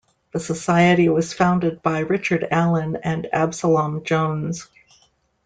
The Society was founded by Richard Allen and Absalom Jones.